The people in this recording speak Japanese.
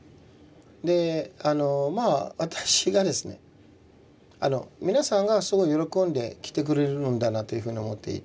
でまあ私がですね皆さんがすごい喜んで来てくれるんだなというふうに思っていて。